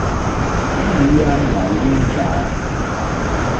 Lǐǃáámà líndǎ.